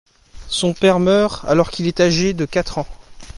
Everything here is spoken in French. Son père meurt alors qu'il est âgé de quatre ans.